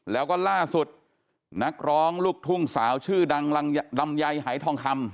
แล้วก็ล่าสุดนักร้องลูกทุ่งสาวชื่อดังลำไยหายทองคำ